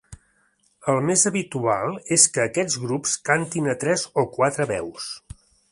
El més habitual és que aquests grups cantin a tres o a quatre veus.